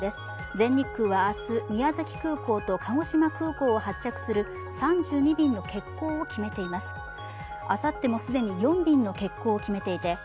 全日空は明日、宮崎空港と鹿児島空港を発着する３２便の欠航を決めています。